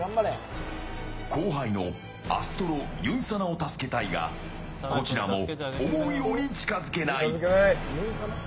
後輩のＡＳＴＲＯユンサナを助けたいがこちらも思うように近づけない。